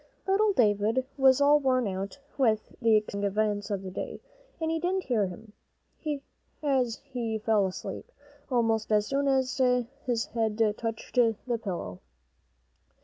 Little David was all worn out with the exciting events of the day, and he didn't hear him, as he fell asleep almost as soon as his head touched the pillow.